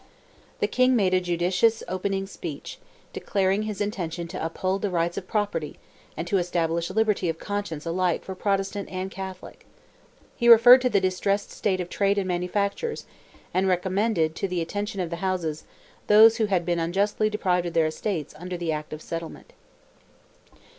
The King made a judicious opening speech, declaring his intention to uphold the rights of property, and to establish liberty of conscience alike for Protestant and Catholic. He referred to the distressed state of trade and manufactures, and recommended to the attention of the Houses, those who had been unjustly deprived of their estates under the "Act of Settlement."